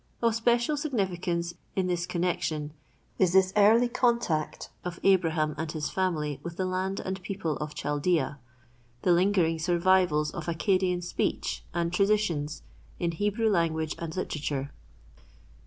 Of special significance in this connection is this early contact of Abraham and his family with the land and people of Chaldea;—the lingering survivals of Accadian speech and traditions in Hebrew language and literature.